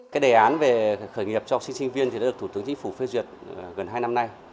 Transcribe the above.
cái đề án về khởi nghiệp cho học sinh sinh viên thì đã được thủ tướng chính phủ phê duyệt gần hai năm nay